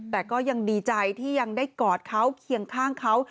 แต่ก็ยังดีใจที่ยังได้กอดเขาเคียงข้างเขา